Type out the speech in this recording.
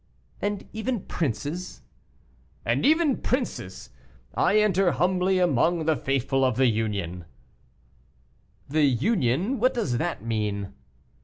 "And even princes?" "And even princes. I enter humbly among the faithful of the Union " "The Union what does that mean?"